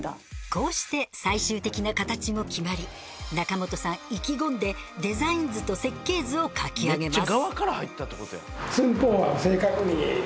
こうして最終的な形も決まり中元さん意気込んでデザイン図と設計図を描き上げます。